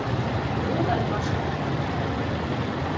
— Могай пашаш?